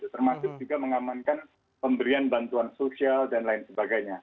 termasuk juga mengamankan pemberian bantuan sosial dan lain sebagainya